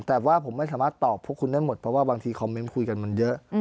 แต่ว่าผมไม่สามารถตอบพวกคุณได้หมดเพราะว่าบางทีคอมเมนต์คุยกันมันเยอะ